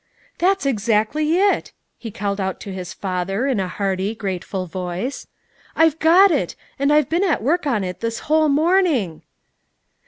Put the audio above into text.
"It's exactly it," he called out to his father, in a hearty, grateful voice. "I've got it, and I've been at work on it this whole morning."